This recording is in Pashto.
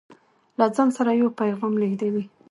له ځان سره يو پيغام لېږدوي